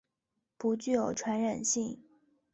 不具有传染性。